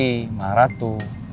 perusahaan al fahri maharatu